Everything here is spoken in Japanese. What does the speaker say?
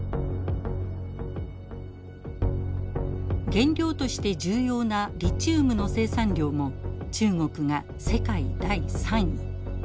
原料として重要なリチウムの生産量も中国が世界第３位。